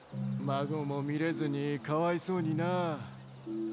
・孫も見れずにかわいそうにな。